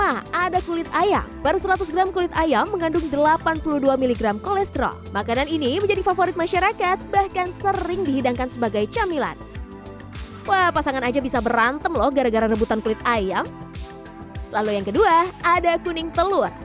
ada kuning telur